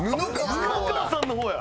布川さんの方や！